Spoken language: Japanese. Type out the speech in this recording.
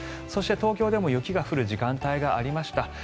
そして東京でも雪が降る時間帯がありました。